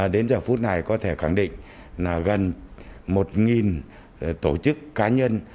đến giờ phút này có thể khẳng định là gần một tổ chức cá nhân